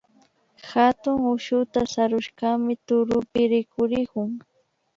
Hatun ushuta sarushkami turupi rikurikun